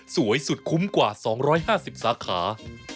สวยสุดคุ้มกว่า๒๕๐สาขา